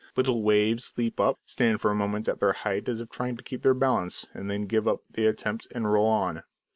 Little waves leap up, stand for a moment at their height as if trying to keep their balance, and then give up the attempt and roll down.